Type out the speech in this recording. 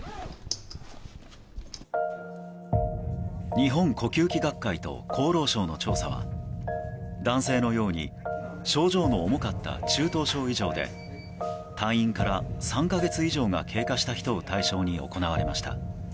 日本呼吸器学会と厚労省の調査は男性のように症状の重かった中等症以上で退院から３か月以上が経過した人を対象に行われました。